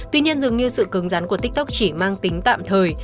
tuy nhiên dường như sự cứng rắn của tiktok chỉ mang tính tạm thời